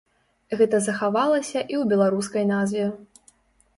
Гэта захавалася і ў беларускай назве.